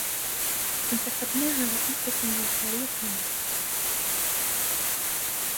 انتخبناها رئيسة لفريقنا.